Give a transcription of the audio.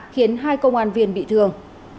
khiến hai công an viên bị thương